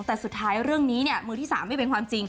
แต่สุดท้ายเรื่องนี้เนี่ยมือที่๓ไม่เป็นความจริง